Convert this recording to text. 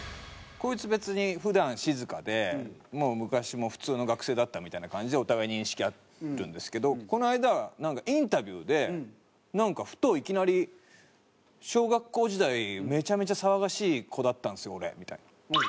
こいつ別に普段静かでもう昔も普通の学生だったみたいな感じでお互い認識あるんですけどこの間なんかインタビューでなんかふといきなり「小学校時代めちゃめちゃ騒がしい子だったんですよ俺」みたいな。